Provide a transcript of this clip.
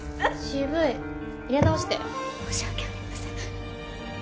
渋い入れ直して申し訳ありません